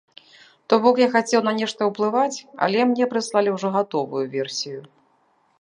То бок, я хацеў на нешта ўплываць, але мне прыслалі ўжо гатовую версію.